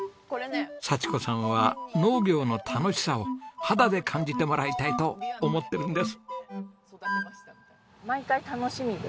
幸子さんは農業の楽しさを肌で感じてもらいたいと思ってるんです。